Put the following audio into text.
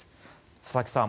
佐々木さん